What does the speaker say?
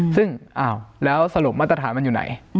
ซึ่งอ้าวแล้วสรุปมาตรฐานมันอยู่ไหน